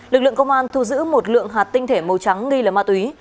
lực lượng công an thu giữ một lượng hạt tinh thể màu trắng nghi là ma túy